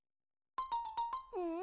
うん？